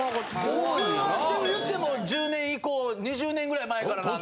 僕はでも言っても１０年以降２０年ぐらい前からなんで。